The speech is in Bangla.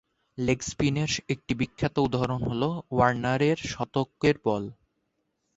লেগ স্পিনের একটি বিখ্যাত উদাহরণ হল ওয়ার্নের শতকের বল।